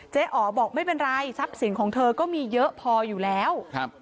อ๋อบอกไม่เป็นไรทรัพย์สินของเธอก็มีเยอะพออยู่แล้วครับ